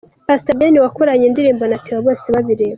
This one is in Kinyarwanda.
Pastor Ben wakoranye indirimbo na Theo Bosebabireba.